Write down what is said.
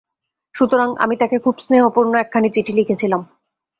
সুতরাং আমি তাকে খুব স্নেহপূর্ণ একখানি চিঠি লিখেছিলাম।